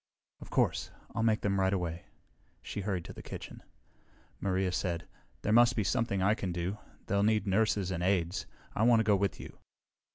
"Of course. I'll make them right away." She hurried to the kitchen. Maria said, "There must be something I can do. They'll need nurses and aides. I want to go with you."